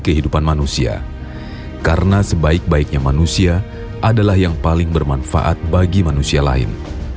kehidupan manusia karena sebaik baiknya manusia adalah yang paling bermanfaat bagi manusia lain